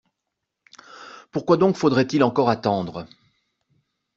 Pourquoi donc faudrait-il encore attendre?